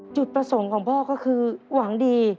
จุดประสงค์ของพ่อก็คือหวังดี